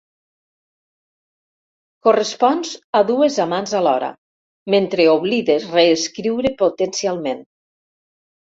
Correspons a dues amants alhora mentre oblides reescriure potencialment.